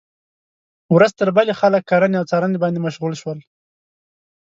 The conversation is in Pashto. ورځ تر بلې خلک کرنې او څارنې باندې مشغول شول.